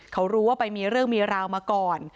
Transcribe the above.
เขารู้ว่าไปมีเรื่องมีราวมาก่อน